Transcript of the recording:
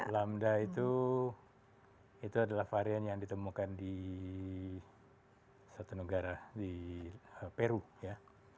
karena itu adalah varian yang ditemukan di satu negara di peru ya